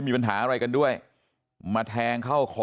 นี่คุณตูนอายุ๓๗ปีนะครับ